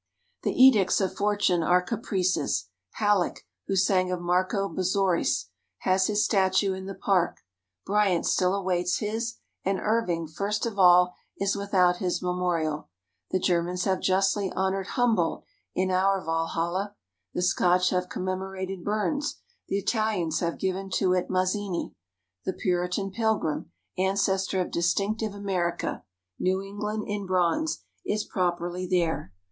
The edicts of Fortune are caprices. Halleck, who sang of Marco Bozzaris, has his statue in the Park. Bryant still awaits his, and Irving, first of all, is without his memorial. The Germans have justly honored Humboldt in our Walhalla, the Scotch have commemorated Burns, the Italians have given to it Mazzini. The Puritan Pilgrim, ancestor of distinctive America, New England in bronze, is properly there.